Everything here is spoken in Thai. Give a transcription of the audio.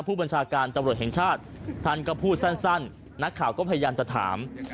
ผู้บัญชาการตำรวจแห่งชาติท่านก็พูดสั้นนักข่าวก็พยายามจะถาม